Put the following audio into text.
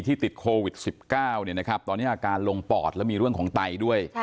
ติดโควิด๑๙ตอนนี้อาการลงปอดแล้วมีเรื่องของไตด้วย